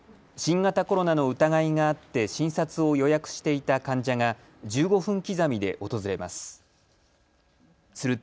新型コロナの疑いがあって診察を予約していた患者が１５分刻みで訪れます。